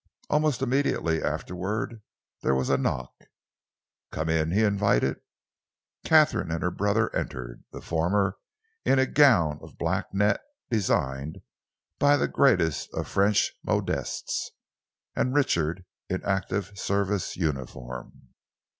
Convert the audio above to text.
Almost immediately afterwards there was a knock. "Come in," he invited. Katharine and her brother entered, the former in a gown of black net designed by the greatest of French modistes, and Richard in active service uniform.